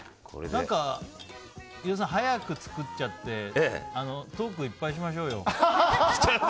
飯尾さん、早く作っちゃってトークいっぱいしましょうよ。